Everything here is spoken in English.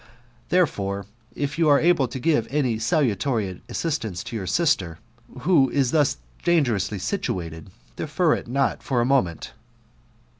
Now, therefore, if you are able to give any salutary assistance to your sister, who is thus dangerously situated, defer it not for a moment."